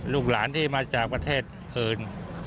ลูกหลานที่มาจากประเทศอื่น